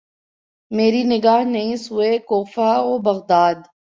مری نگاہ نہیں سوئے کوفہ و بغداد